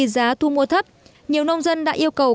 giá thu mua thấp nhiều nông dân đã yêu cầu